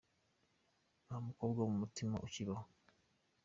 Nta mukobwa wu umutima ukibaho.